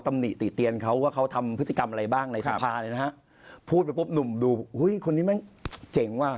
ตำหนิติเตียนเขาว่าเขาทำพฤติกรรมอะไรบ้างในสภาเลยนะฮะพูดไปปุ๊บหนุ่มดูอุ้ยคนนี้แม่งเจ๋งว่ะ